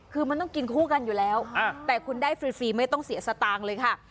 คือมันต้องกินคู่กันอยู่แล้วแต่คุณได้ฟรีไม่ต้องเสียสตางค์เลยค่ะ